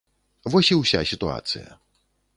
Вось і ўся сітуацыя.